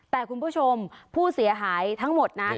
แต่คุณผู้ชมผู้เสียหายทั้งหมดนะ